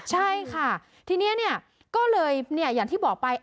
ใช่ค่ะทีนี้ก็เลยอย่างที่บอกไป